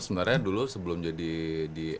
sebenarnya dulu sebelum jadi di